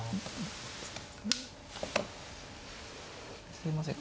すいません